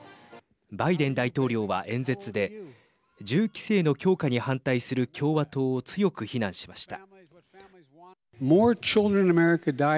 バイデン大統領は、演説で銃規制の強化に反対する共和党を強く非難しました。